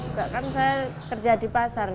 sedangkan saya kerja di pasar